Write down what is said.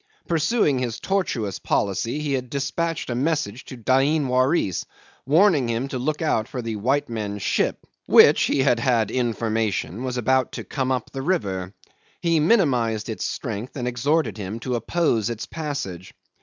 Pursuing his tortuous policy, he had dispatched a message to Dain Waris warning him to look out for the white men's ship, which, he had had information, was about to come up the river. He minimised its strength and exhorted him to oppose its passage.